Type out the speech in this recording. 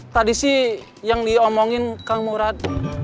tadi sih yang diomongin kang murad